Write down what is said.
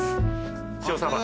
塩サバ？